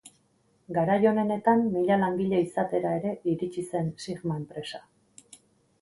Garai onenetan mila langile izatera ere iritsi zen sigma empresa.